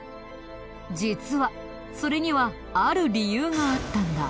実はそれにはある理由があったんだ。